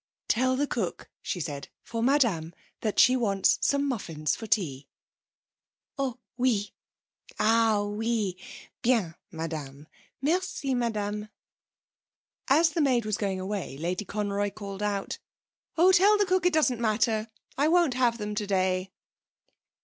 'Tell the cook,' she said, 'for madame, that she wants some muffins for tea.' 'Oh, oui. Ah, oui, bien, madame. Merci, madame.' As the maid was going away Lady Conroy called out: 'Oh, tell the cook it doesn't matter. I won't have them today.'